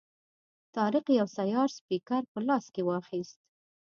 طارق یو سیار سپیکر په لاس کې واخیست.